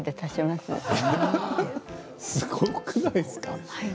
すごくないですか？